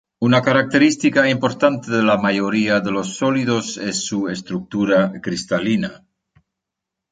Una característica importante de la mayoría de los sólidos es su estructura cristalina.